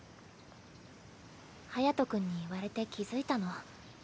隼君に言われて気付いたの。